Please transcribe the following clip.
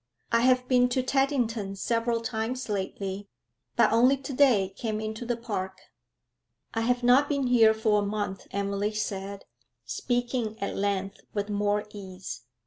'I have been to Teddington several times lately, but only today came into the park.' 'I have not been here for a month,' Emily said, speaking at length with more case.